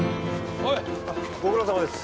あっご苦労さまです！